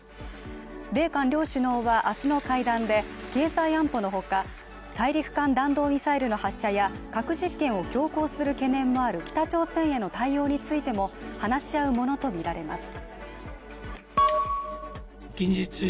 米韓両首脳は明日の会談で経済安保の他大陸間弾道ミサイルの発射や核実験を強行する懸念もある北朝鮮への対応についても話し合うものとみられます。